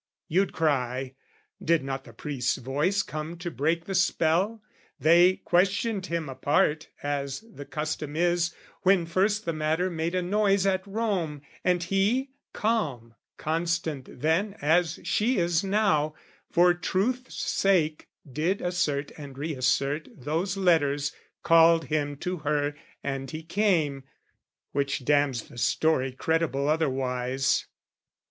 you'd cry Did not the priest's voice come to break the spell: They questioned him apart, as the custom is, When first the matter made a noise at Rome, And he, calm, constant then as she is now, For truth's sake did assert and reassert Those letters called him to her and he came, Which damns the story credible otherwise.